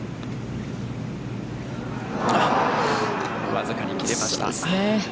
僅かに切れました。